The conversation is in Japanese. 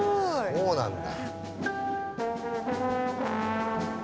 そうなんだ。